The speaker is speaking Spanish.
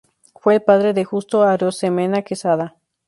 Fue el padre de Justo Arosemena Quesada.